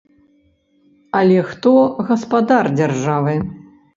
Але хто гаспадар дзяржавы?